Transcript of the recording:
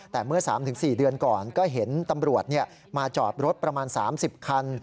แต่เมื่อ๓๔เดือนก่อนก็เห็นตำรวจมาจอดรถประมาณ๓๐คัน